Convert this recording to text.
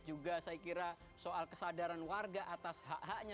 juga saya kira soal kesadaran warga atas hak haknya